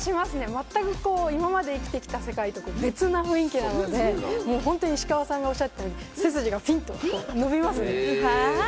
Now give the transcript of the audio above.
まったく今まで生きてきた世界と別な雰囲気なので、本当に石川さんがおっしゃったように背筋がピンと伸びますね。